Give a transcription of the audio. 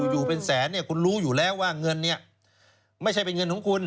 อยู่เป็นแสนเนี่ยคุณรู้อยู่แล้วว่าเงินเนี่ยไม่ใช่เป็นเงินของคุณ